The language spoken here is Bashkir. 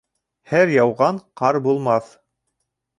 Һәр яуған ҡар булмаҫ.